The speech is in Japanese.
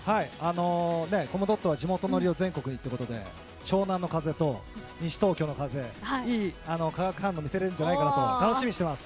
コムドットは地元ノリを全国へということで湘南乃風と西東京の風良い化学反応を見せるんじゃないかと楽しみにしています。